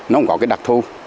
nó cũng có cái đặc thù